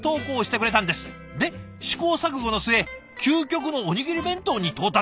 で試行錯誤の末究極のおにぎり弁当に到達。